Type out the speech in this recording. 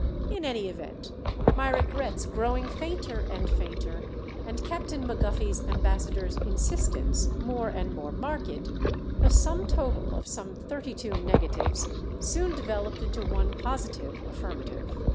In any event, my regrets growing fainter and fainter, and Captain Maguffy's ambassador's insistence more and more marked, the sum total of some thirty two negatives soon developed into one positive affirmative.